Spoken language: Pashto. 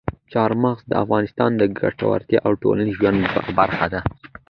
چار مغز د افغانانو د ګټورتیا او ټولنیز ژوند برخه ده.